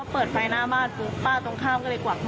พี่สภัยลงมาดูว่าเกิดอะไรขึ้น